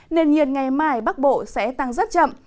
nền nhiệt ngày mai bắc bộ sẽ tăng rất chậm